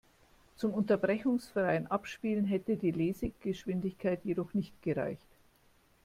Zum unterbrechungsfreien Abspielen hätte die Lesegeschwindigkeit jedoch nicht gereicht.